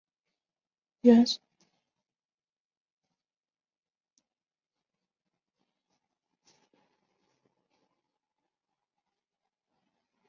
原宿是东京都涩谷区的一个地区。